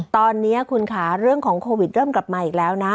ตอนนี้คุณค่ะเรื่องของโควิดเริ่มกลับมาอีกแล้วนะ